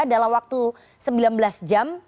dalam waktu sembilan belas jam